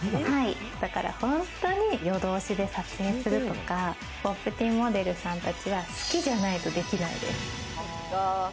本当に夜通しで撮影するとか『Ｐｏｐｔｅｅｎ』モデルさんたちは、好きじゃないとできないです。